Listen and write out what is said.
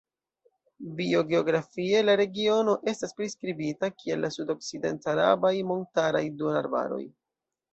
Biogeografie la regiono estas priskribita kiel la sudokcident-arabaj montaraj duonarbaroj.